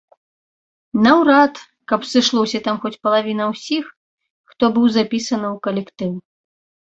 Наўрад, каб сышлося там хоць палавіна ўсіх, хто быў запісаны ў калектыў.